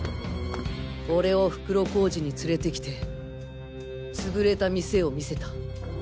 俺を袋小路に連れて来てつぶれた店を見せた。